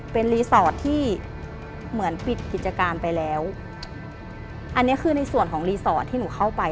เป็นรีสอร์ทที่เหมือนปิดกิจการไปแล้วอันนี้คือในส่วนของรีสอร์ทที่หนูเข้าไป